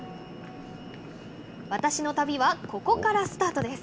私の旅はここからスタートです。